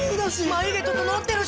眉毛整ってるし。